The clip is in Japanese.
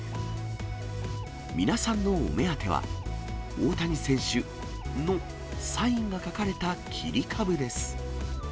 皆さんのお目当ては、大谷選手のサインが書かれた切り株です。